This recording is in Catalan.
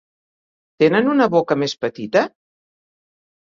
Tenen una boca més petita?